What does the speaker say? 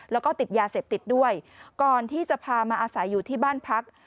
แล้วก็ติดยาเสพติดด้วยก่อนที่จะพามาอาศัยอยู่ที่บ้านพัก